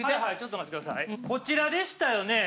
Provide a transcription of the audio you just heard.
こちらでしたよね。